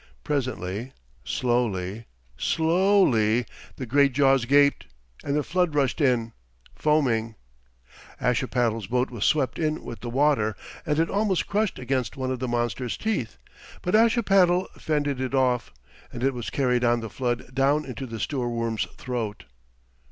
Presently slowly, slowly, the great jaws gaped, and the flood rushed in, foaming. Ashipattle's boat was swept in with the water, and it almost crushed against one of the monster's teeth, but Ashipattle fended it off, and it was carried on the flood down into the Stoorworm's throat.